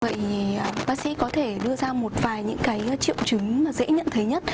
vậy bác sĩ có thể đưa ra một vài những cái triệu chứng dễ nhận thấy nhất